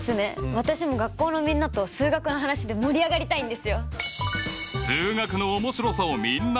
私も学校のみんなと数学の話で盛り上がりたいんですよ！